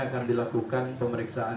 akan dilakukan pemeriksaan